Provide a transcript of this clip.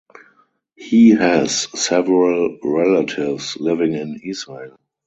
He has several relatives living in Israel.